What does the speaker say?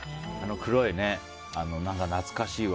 黒いね、懐かしいわ。